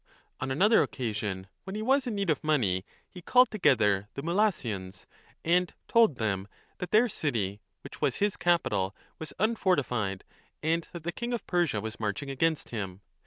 On another occasion when he was in need of money, he called together the Mylassians and told them that their city, which was his capital, was unfortified and that the king of Persia was marching against him.